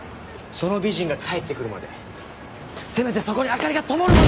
その美人が帰ってくるまでせめてそこに明かりが灯るまで！